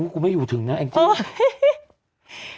กูไม่อยู่ถึงนะแองจี้